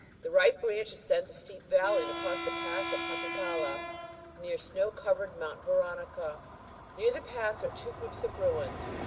The right branch ascends a steep valley and crosses the pass of Panticalla near snow covered Mt. Veronica. Near the pass are two groups of ruins.